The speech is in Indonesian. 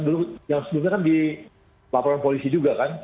belum yang sebelumnya kan di laporan polisi juga kan